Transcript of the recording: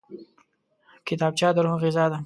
کتابچه د روح غذا ده